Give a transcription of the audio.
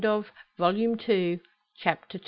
Volume Two, Chapter III.